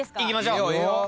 いきましょう。